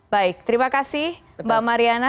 baik terima kasih mbak mariana